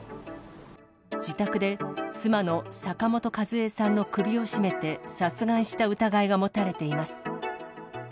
自宅で妻の坂本数江さんの首を絞めて殺害した疑いが持たれています。